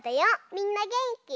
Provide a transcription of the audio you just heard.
みんなげんき？